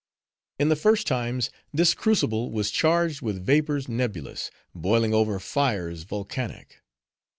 In the first times this crucible was charged with vapors nebulous, boiling over fires volcanic.